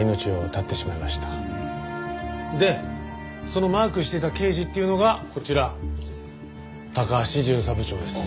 そのマークしていた刑事っていうのがこちら高橋巡査部長です。